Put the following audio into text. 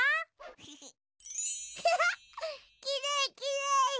きれいきれい。